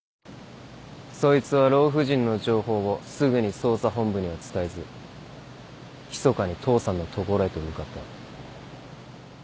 そいつは老婦人の情報をすぐに捜査本部には伝えずひそかに父さんの所へと向かった。